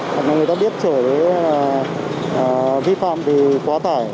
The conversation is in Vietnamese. hoặc là người ta biết chở đấy là vi phạm thì quá tải